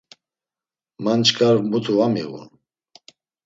Man çkar mutu va miğun.